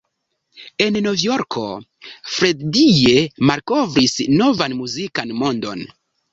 En Novjorko Freddie malkovris novan muzikan mondon.